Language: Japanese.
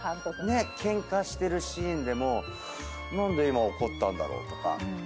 ケンカしてるシーンでも何で今怒ったんだろう？とか。